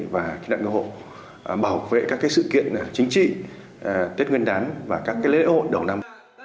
và kết nặng cưu hộ bảo vệ các sự kiện chính trị tết nguyên đán và các lễ hội đầu năm